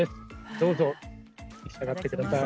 どうぞ召し上がって下さい。